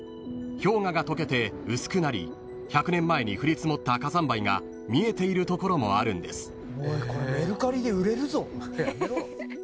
［氷河が溶けて薄くなり１００年前に降り積もった火山灰が見えているところもあるんです］